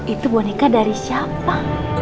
itu boneka dari siapa